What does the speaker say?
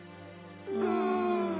うん。